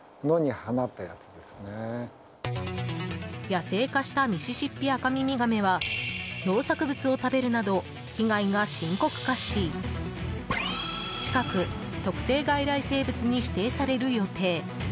野生化したミシシッピアカミミガメは農作物を食べるなど被害が深刻化し近く、特定外来生物に指定される予定。